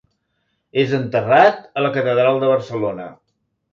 És enterrat a la Catedral de Barcelona.